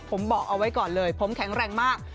ผมบอกเอาไว้ก่อนเลยผมแข็งแรงมาก